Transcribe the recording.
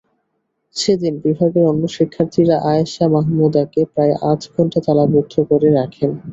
সেদিন বিভাগের অন্য শিক্ষার্থীরা আয়েষা মাহমুদাকে প্রায় আধঘণ্টা তালাবদ্ধ করে রাখেন।